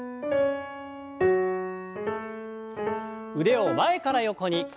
腕を前から横に。